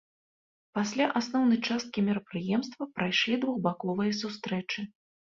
Пасля асноўнай часткі мерапрыемства прайшлі двухбаковыя сустрэчы.